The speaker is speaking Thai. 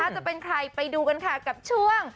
จะเป็นใครไปดูกันค่ะกับช่วง